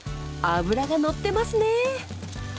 脂がのってますね。